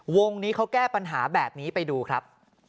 วงนี้เขาแก้ปัญหาแบบนี้ไปดูครับ